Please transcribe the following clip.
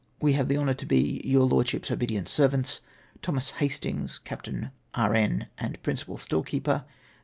" We have the honour to be, " Your Lordship's obedient servants, " Thomas Hastings, Capt. E. N., and Principal Storekeeper.